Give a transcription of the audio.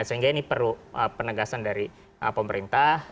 sehingga ini perlu penegasan dari pemerintah